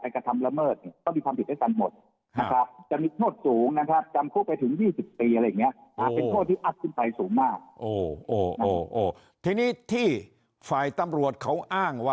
กระทำละเมิดเนี่ยก็มีความผิดด้วยกันหมดนะครับ